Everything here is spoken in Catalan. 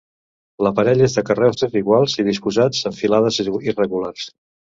L'aparell és de carreus desiguals i disposats en filades irregulars.